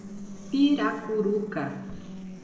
Piracuruca